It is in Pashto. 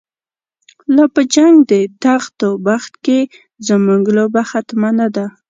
لا په جنگ د تخت او بخت کی، زمونږ لوبه ختمه نده